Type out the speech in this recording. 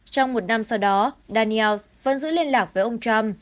trong một năm sau đó daniels vẫn giữ liên lạc với ông trump